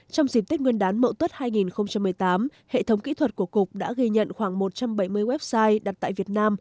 trong dịp tết nguyên đán mậu tuất hai nghìn một mươi tám hệ thống kỹ thuật của cục đã ghi nhận khoảng một trăm bảy mươi website đặt tại việt nam